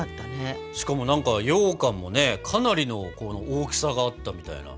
しかもようかんもねかなりの大きさがあったみたいな。